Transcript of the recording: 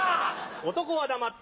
男は黙って。